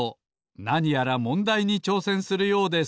なにやらもんだいにちょうせんするようです